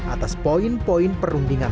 atas poin poin perundingan